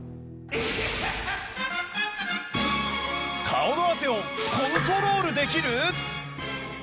顔の汗をコントロールできる？